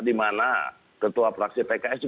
dimana ketua fraksi pks